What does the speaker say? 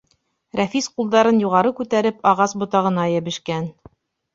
Рәфис ҡулдарын юғары күтәреп ағас ботағына йәбешкән.